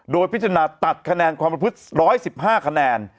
โดยพิจารณาตัดคะแนนความประพฤติ๑๑๕คะแนน